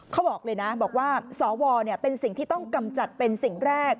เขาบอกเลยนะบอกว่าสวเป็นสิ่งที่ต้องกำจัดเป็นสิ่งแรก